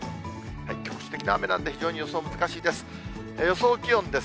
局地的な雨なんで、非常に予想難しいです。